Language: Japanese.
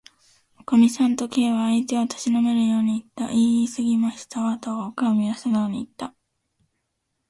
「おかみさん」と、Ｋ は相手をたしなめるようにいった。「いいすぎましたわ」と、おかみはすなおにいった。